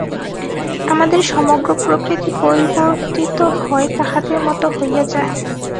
আমাদের সমগ্র প্রকৃতি পরিবর্তিত হয়, তাঁহাদের মত হইয়া যায়।